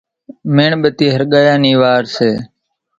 ميڻ ٻتي ۿرڳايا نِي وار سي